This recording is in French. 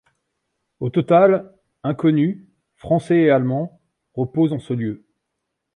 Au total, inconnus, français et allemands, reposent en ce lieu.